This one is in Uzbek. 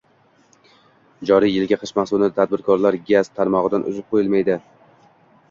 Joriy yilgi qish mavsumida tadbirkorlar gaz tarmogʻidan uzib qoʻyilmaydi.